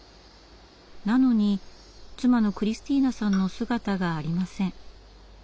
なのに妻のクリスティーナさんの姿がありません。